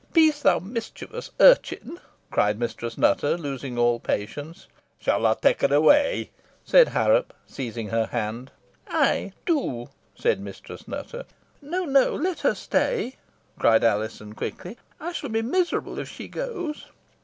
"Peace, thou mischievous urchin," cried Mistress Nutter, losing all patience. "Shall I take her away?" said Harrop seizing her hand. "Ay, do," said Mistress Nutter. "No, no, let her stay!" cried Alizon, quickly; "I shall be miserable if she goes."